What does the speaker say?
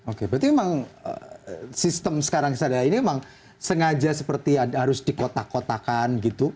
oke berarti memang sistem sekarang ini memang sengaja seperti harus dikotak kotakan gitu